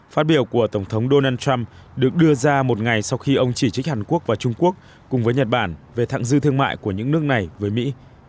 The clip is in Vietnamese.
phát biểu của tổng thống donald trump được đưa ra một ngày sau khi ông chỉ trích hàn quốc và trung quốc cùng với nhật bản về thẳng dư thương mại của những nước này với mỹ